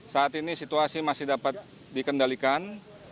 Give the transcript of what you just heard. saat ini situasi masih dapat dikendalikan